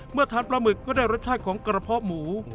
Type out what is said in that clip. ทานปลาหมึกก็ได้รสชาติของกระเพาะหมู